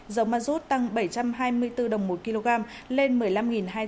dầu ma rút tăng bảy trăm hai mươi bốn đồng một kg lên một mươi năm hai trăm bảy mươi một đồng một kg